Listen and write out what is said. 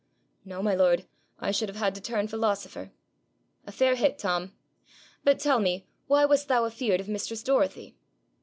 'No, my lord; I should have had to turn philosopher.' 'A fair hit, Tom! But tell me, why wast thou afeard of mistress Dorothy?'